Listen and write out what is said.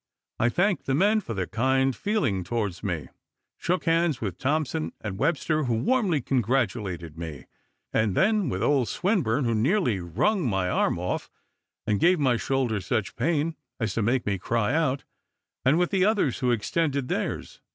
I thanked the men for their kind feeling towards me, shook hands with Thompson and Webster, who warmly congratulated me, and then with old Swinburne (who nearly wrung my arm off, and gave my shoulder such pain, as to make me cry out), and with the others who extended theirs.